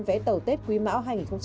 vé tàu tết quý mão hai nghìn hai mươi bốn